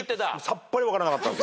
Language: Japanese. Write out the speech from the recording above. さっぱり分からなかったんで。